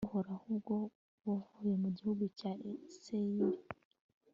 uhoraho, ubwo wavuye mu gihugu cya seyiri